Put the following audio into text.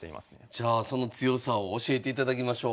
じゃあその強さを教えていただきましょう。